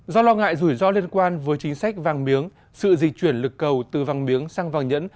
do lo ngại rủi ro liên quan với chính sách vàng miếng sự di chuyển lực cầu từ vàng miếng sang vàng nhẫn